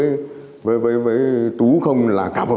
ô đủ căn cứ bắt giữ đối với tú không là cả một vấn đề